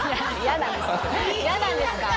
嫌なんですか？